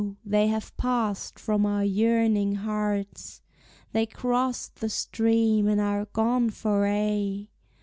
they have passed from our yearning hearts, They cross the stream and are gone for aye.